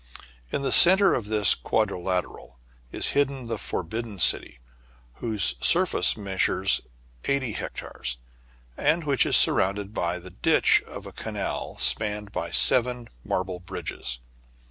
In the centre of this quadrilateral is hidden the Forbidden City, whose surface measures eighty hec tares, and which is surrounded by the ditch of a canal spanned by seven marble bridges.